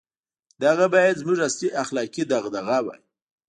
• دغه باید زموږ اصلي اخلاقي دغدغه وای.